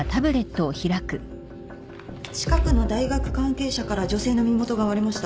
近くの大学関係者から女性の身元が割れました。